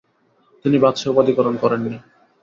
তিনি বাদশাহ উপাধিধারণ করেননি।